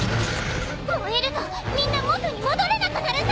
燃えるとみんな元に戻れなくなるさ！